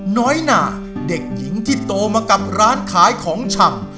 น้อยหนาเด็กหญิงที่โตมากับร้านขายของชำ